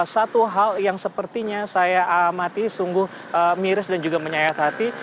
satu hal yang sepertinya saya amati sungguh miris dan juga menyayat hati